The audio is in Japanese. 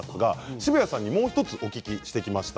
澁谷さんにもう１つお聞きしてきました。